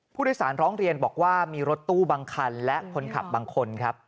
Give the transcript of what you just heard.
ผู้โดยสารร้องเรียนบอกว่ามีรถตู้บางคันและคนขับบางคนครับ